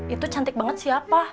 itu cantik banget siapa